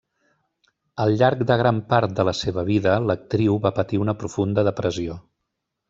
Al llarg de gran part de la seva vida, l'actriu va patir una profunda depressió.